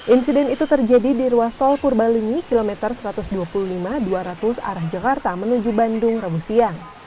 insiden itu terjadi di ruas tol purbalinyi kilometer satu ratus dua puluh lima dua ratus arah jakarta menuju bandung rabu siang